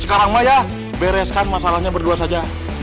sekarang mah ya bereskan masalahnya berdua saja